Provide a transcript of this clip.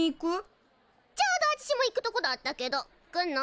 ちょうどあちしも行くとこだったけど来んの？